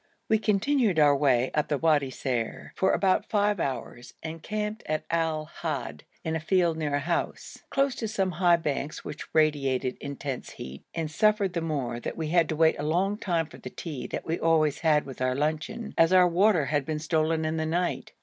We continued our way up the Wadi Ser for about five hours and camped at Al Had in a field near a house, close to some high banks which radiated intense heat, and suffered the more that we had to wait a long time for the tea that we always had with our luncheon, as our water had been stolen in the night.